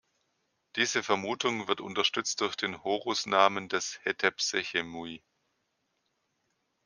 Diese Vermutung wird unterstützt durch den Horusnamen des Hetepsechemui.